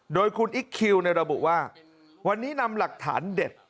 โดยคุณอิ๊กคิวระบุว่าวันนี้นำหลักฐานเด็ด